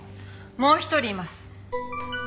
もう一人います。